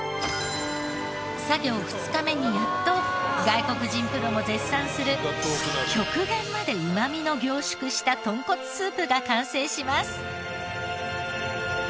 作業２日目にやっと外国人プロも絶賛する極限までうまみの凝縮したとんこつスープが完成します。